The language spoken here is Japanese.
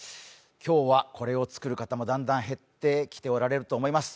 今日はこれを作る方もだんだん減ってきておられると思います。